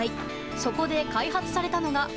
そこで開発されたのが。